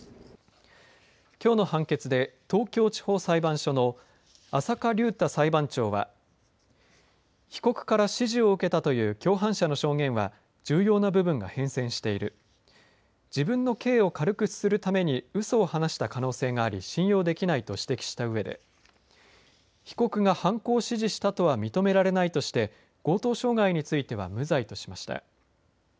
きょうの判決で東京地方裁判所の浅香竜太裁判長は被告から指示を受けたという共犯者の証言は重要な部分が変遷している自分の刑を軽くするためにうそを話した可能性があり信用できないと指摘したうえで被告が犯行を指示したとは認められないとして強盗傷害については無罪としました。